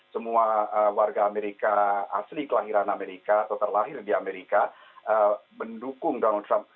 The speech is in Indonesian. semua warga amerika asli kelahiran amerika atau terlahir di amerika mendukung donald trump